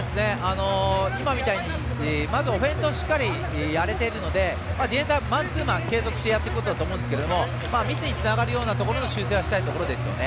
今みたいにまずオフェンスをしっかりやれているのでディフェンスはマンツーマンを継続してやっていくことだと思うんですけどミスにつながるようなところの修正はしたいところですよね。